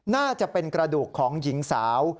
น่าจะเป็นกระดูกของหญิงสาว